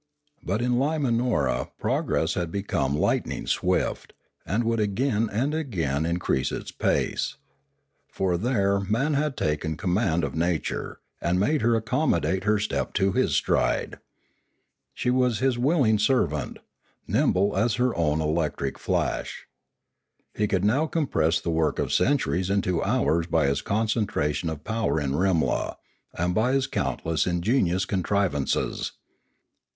But in Limanora progress had become lightning swift, and would again and again increase its pace. For there Pioneering 465 man had taken command of nature, and made her ac commodate her step to his stride. She was his willing servant, nimble as her own electric flash. He could now compress the work of centuries into hours by his concentration of power in Rimla, and by his countless ingenious contrivances.